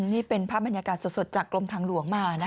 นี่เป็นภาพบรรยากาศสดจากกรมทางหลวงมานะคะ